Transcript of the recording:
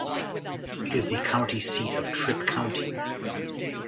It is the county seat of Tripp County.